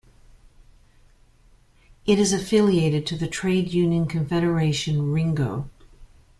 It is affiliated to the trade union confederation Rengo.